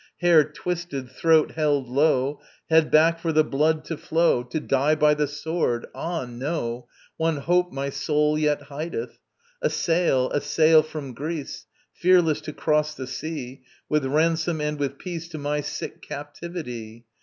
Hair twisted, throat held low, Head back for the blood to flow, To die by the sword. ... Ah no! One hope my soul yet hideth. A sail, a sail from Greece, Fearless to cross the sea, With ransom and with peace To my sick captivity.